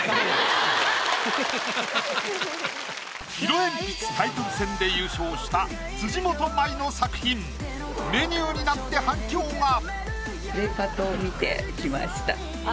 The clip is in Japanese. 色鉛筆タイトル戦で優勝した辻元舞の作品メニューになって反響が。